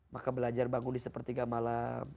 maka belajar bangun di sepertiga malam